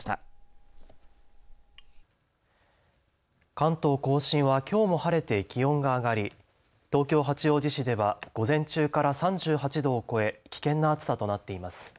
関東甲信はきょうも晴れて気温が上がり東京八王子市では午前中から３８度を超え危険な暑さとなっています。